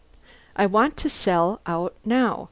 I want to sell out now.